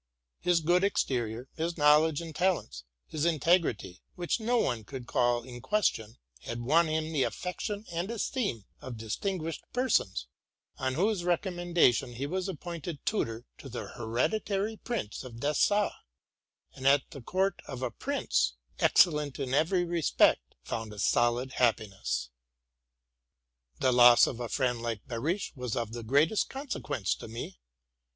His good exterior, his knowledge and talents, his integrity, which no one could call in question, had won hin the affection and esteem of distinguished persons, on whose recommendation he was appointed tutor to the heredi tary prince of Dessau, and at the court of a prince, excellent in every respect, found a solid happiness. The loss of a friend like Behrisch was of the greatest con sequence tome.